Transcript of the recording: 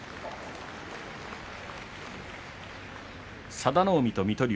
佐田の海と水戸龍。